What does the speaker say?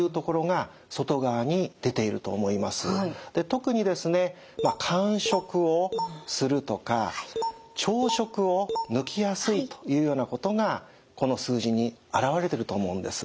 特にですね間食をするとか朝食を抜きやすいというようなことがこの数字に表れてると思うんです。